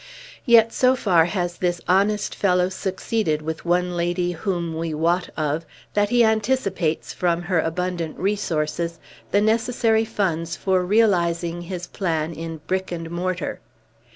Yet, so far has this honest fellow succeeded with one lady whom we wot of, that he anticipates, from her abundant resources, the necessary funds for realizing his plan in brick and mortar!"